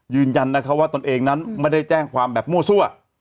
ยืนยันนะคะว่าตนเองนั้นไม่ได้แจ้งความแบบมั่วซั่ว